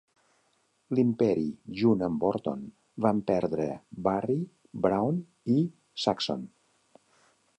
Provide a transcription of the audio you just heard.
L"Imperi junt amb Orton van perdre Barry, Brown i Saxon.